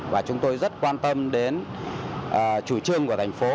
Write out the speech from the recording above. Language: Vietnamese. và chúng tôi rất quan tâm đến chủ trương của thành phố